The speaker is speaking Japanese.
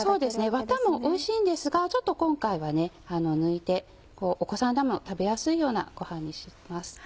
ワタもおいしいんですがちょっと今回はね抜いてお子さんでも食べやすいようなごはんにします。